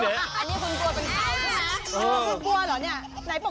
อันนี้คุณกลัวเป็นข่าวใช่ไหมคุณกลัวเหรอเนี่ย